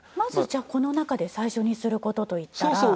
まずじゃあこの中で最初にする事といったら。